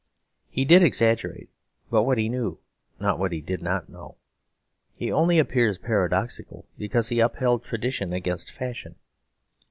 He did exaggerate, but what he knew, not what he did not know. He only appears paradoxical because he upheld tradition against fashion.